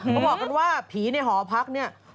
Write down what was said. เขาบอกกันว่าผีในหอพัก